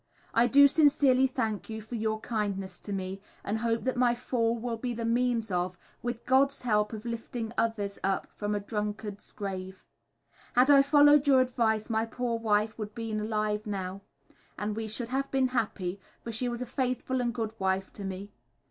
I do sincerely thank you for your kindness to me, and hope that my fall will be the means of, with god's help of lifting others up from a drunkard's grave. Had I followed your advise my poor wife would been alive now, and we should have been happy, for she was a faithful and good wife to me.